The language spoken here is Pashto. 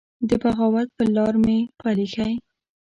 د بغاوت پر لار مي پل يښی